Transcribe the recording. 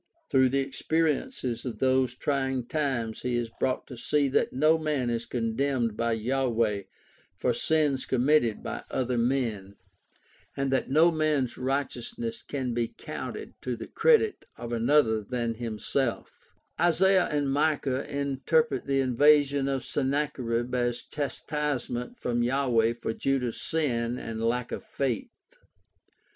Through the experiences of those trying times he is brought to see that no man is condemned by Yahweh for sins committed by other men, and that no man's righteousness can be counted to the credit of another than himself. OLD TESTAMENT AND RELIGION OF ISRAEL 139 Isaiah and Micah interpret the invasion of Sennacherib as chastisement from Yahweh for Judah's sin and lack of faith.